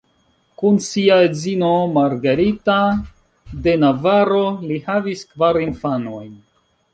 Kun sia edzino Margarita de Navaro li havis kvar infanojn.